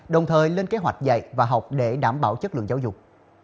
đồng thời lên kế hoạch dạy và học để đảm bảo chất lượng giáo dục